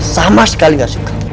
sama sekali gak suka